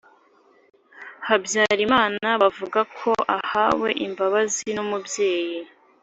Habyarimana bakavuga ko bahawe imbabazi n umubyeyi